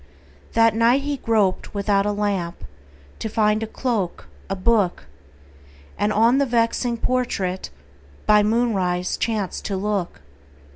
That night he groped without a lamp To find a cloak, a book, And on the vexing portrait By moonrise chanced to look.